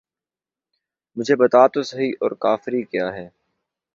مجھے بتا تو سہی اور کافری کیا ہے!